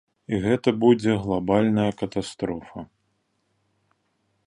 І гэта будзе глабальная катастрофа.